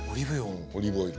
うんオリーブオイル。